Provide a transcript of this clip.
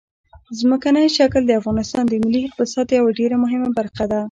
ځمکنی شکل د افغانستان د ملي اقتصاد یوه ډېره مهمه برخه ده.